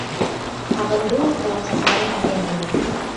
Һағынды ул ҡолонсаҡтарын йәй буйы.